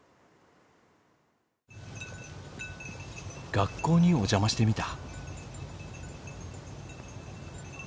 学校にお邪魔してみた。